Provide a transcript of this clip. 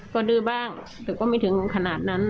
ก็ดื้อบ้างแต่ก็ไม่ถึงขนาดนั้น